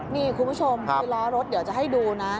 นี่คุณผู้ชมคือล้อรถเดี๋ยวจะให้ดูนะ